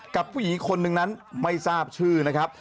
กับผู้หญิงคนหนึ่งนั้นไม่ทราบชื่อนะครับ